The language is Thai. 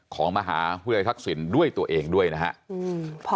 ของมหาวิทยาลัยทักษิณด้วยตัวเองด้วยนะครับ